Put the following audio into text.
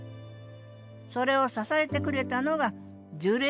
それを支えてくれたのが樹齢